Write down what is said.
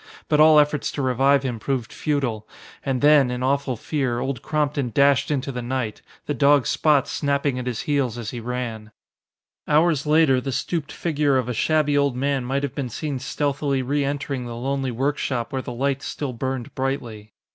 But all efforts to revive him proved futile, and then, in awful fear, Old Crompton dashed into the night, the dog Spot snapping at his heels as he ran. Hours later the stooped figure of a shabby old man might have been seen stealthily re entering the lonely workshop where the lights still burned brightly.